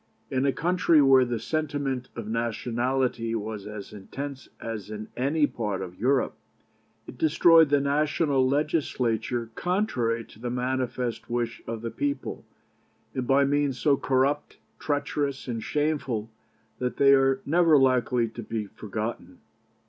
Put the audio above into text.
In a country where the sentiment of nationality was as intense as in any part of Europe, it destroyed the national Legislature contrary to the manifest wish of the people, and by means so corrupt, treacherous, and shameful that they are never likely to be forgotten.